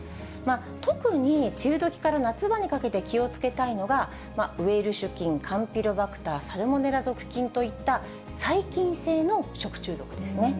特に梅雨時から夏場にかけて気をつけたいのが、ウエルシュ菌、カンピロバクター、サルモネラ属菌といった細菌性の食中毒ですね。